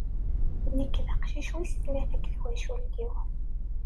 Nek d aqcic wis tlata deg twacult-iw.